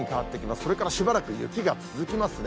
それからしばらく雪が続きますね。